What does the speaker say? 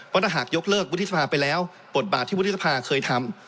เพราะถ้าหากยกเลิกวุฒิสภาไปแล้วบทบาทที่วุฒิสภาเคยทำ